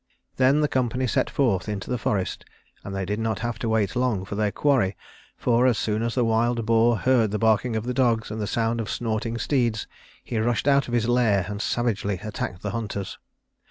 Then the company set forth into the forest, and they did not have to wait long for their quarry, for, as soon as the wild boar heard the barking of the dogs and the sound of snorting steeds, he rushed out of his lair and savagely attacked the hunters.